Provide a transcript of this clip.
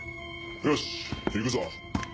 よし行くぞ。